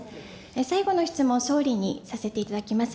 最後の質問、総理にさせていただきます。